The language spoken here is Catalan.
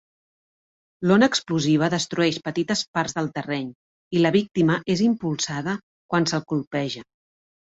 L'ona explosiva destrueix petites parts del terreny i la víctima és impulsada quan se'l colpeja.